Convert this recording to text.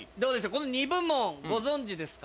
この２部門ご存じですか？